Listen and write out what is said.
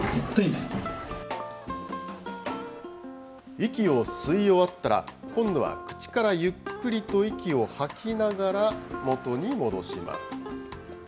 息を吸い終わったら、今度は口からゆっくりと息を吐きながら、元に戻します。